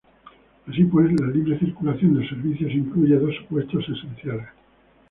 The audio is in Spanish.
Así pues, la libre circulación de servicios incluye dos supuestos esenciales.